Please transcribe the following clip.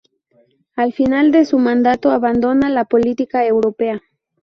Al final de su mandato abandona la política europea.